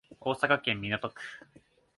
大阪市港区